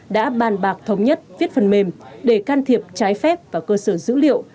đã bàn bạc thống nhất viết phần mềm để can thiệp trái phép vào cơ sở dữ liệu